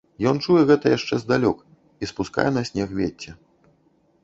Ён чуе гэта яшчэ здалёк і спускае на снег вецце.